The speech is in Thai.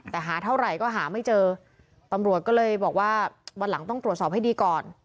แต่หาเท่าไหร่ก็หาไม่เจอตำรวจก็เลยบอกว่าวันหลังต้องตรวจสอบให้ดีก่อน